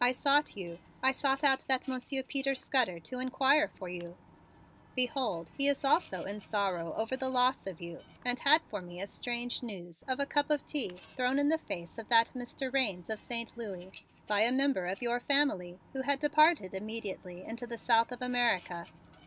I sought you. I sought out that Monsieur Peter Scudder to inquire for you. Behold, he also is in sorrow over the loss of you and had for me a strange news of a cup of tea thrown in the face of that Mr. Raines of Saint Louis by a member of your family who had departed immediately into the south of America.